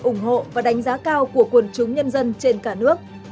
ủng hộ và đánh giá cao của quần chúng nhân dân trên cả nước